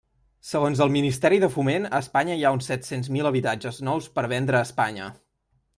Segons el Ministeri de Foment a Espanya hi ha uns set-cents mil habitatges nous per vendre a Espanya.